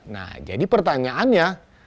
nah jadi pertanyaannya